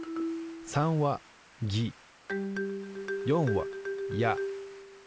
３は「ぎ」４は「や」